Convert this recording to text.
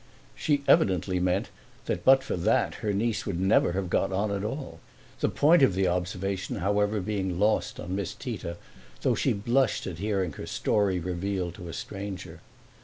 She evidently meant that but for this her niece would never have got on at all; the point of the observation however being lost on Miss Tita, though she blushed at hearing her history revealed to a stranger.